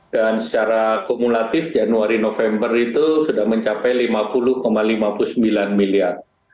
dan secara kumulatif januari november itu sudah mencapai lima puluh lima puluh sembilan miliar